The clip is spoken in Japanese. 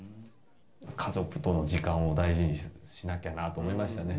家族との時間を大事にしなきゃなと思いましたね。